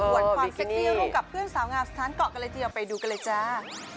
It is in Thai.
โหวนความเซ็กซี่รูปกับเพื่อนสาวงามสถานกเกาะกาลเจียไปดูกันเลยจ้า